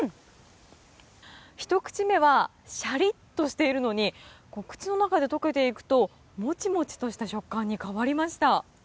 １口目はシャリッとしているのに、口の中で溶けていくと、もちもちとした食感に変わりました。